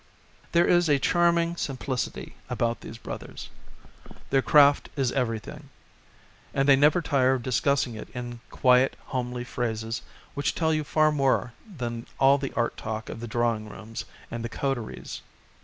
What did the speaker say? There is a charming simplicity about these brothers. Their craft is everything ; and they never tire of discussing it in quiet homely phrases which tell you far more than all the art talk of the drawing rooms and the coteries.